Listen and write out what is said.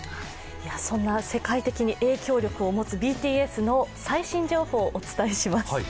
そんな世界的影響力を持つＢＴＳの最新情報をお伝えします。